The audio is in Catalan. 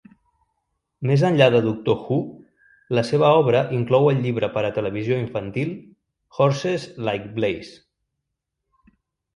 Més enllà de "Doctor Who", la seva obra inclou el llibre per a televisió infantil "Horses Like Blaze".